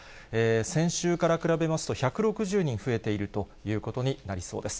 先週から比べますと、１６０人増えているということになりそうです。